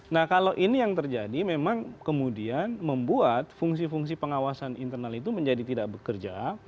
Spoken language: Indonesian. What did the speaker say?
nah kalau ini yang terjadi memang kemudian membuat fungsi fungsi pengawasan internal itu menjadi tidak bekerja